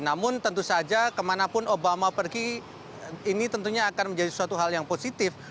namun tentu saja kemanapun obama pergi ini tentunya akan menjadi suatu hal yang positif